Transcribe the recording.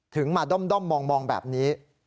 มาด้อมมองแบบนี้